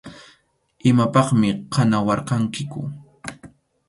Imapaqmi kanawarqankiku.